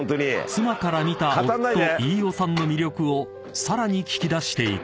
［妻から見た夫飯尾さんの魅力をさらに聞き出していく］